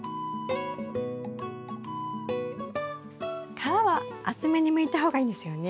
皮は厚めにむいた方がいいんですよね？